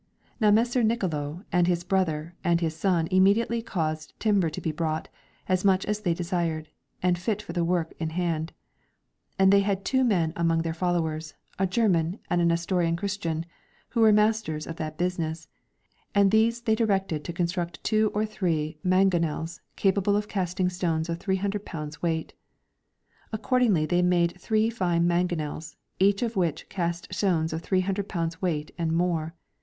Now Messer Nicolo and his brother and his son immediately caused timber to be brought, as much as they desired, and fit for the work in hand. And they had two men among their followers, a German and a Nestorian Christian, who were masters of that business, and these they directed to construct two or three mangonels capable of casting stones of 300 lbs. weight. Accordingly they made three fine mangonels, each of which cast stones of 300 lbs. weight and more.